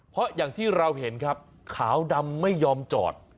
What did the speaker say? เพราะอย่างที่เราเห็นครับขาวดำไม่ยอมจอด